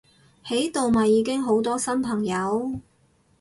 喺度咪已經好多新朋友！